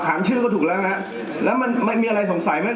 ชื่อก็ถูกแล้วฮะแล้วมันมันมีอะไรสงสัยไหม